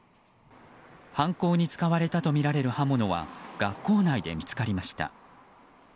犯行に使われたとみられる刃物は学校内で見つかりました。